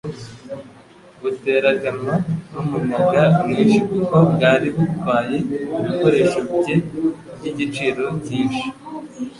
buteraganwa n'umuyaga mwinshi kuko bwari butwaye ibikoresho bye by'igiciro cyinshi